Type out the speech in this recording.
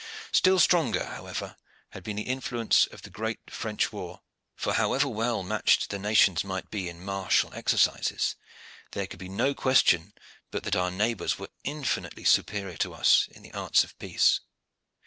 Still stronger, however, had been the influence of the great French war; for, however well matched the nations might be in martial exercises, there could be no question but that our neighbors were infinitely superior to us in the arts of peace.